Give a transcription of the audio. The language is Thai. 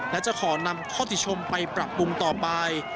และจะขอนำข้อติชมไปปรับปรุงต่อไป